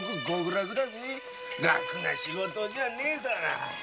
楽な仕事じゃねぇよ。